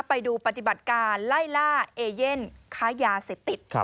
ไปดูปฏิบัติการไล่ล่าเอเย่นค้ายาเสพติด